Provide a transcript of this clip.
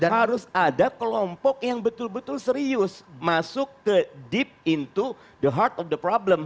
harus ada kelompok yang betul betul serius masuk ke deep in to the heart of the problem